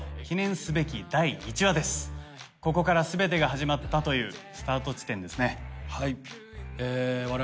ここから全てが始まったというスタート地点ですね。